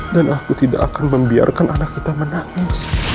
dan aku tidak akan membiarkan anak kita menangis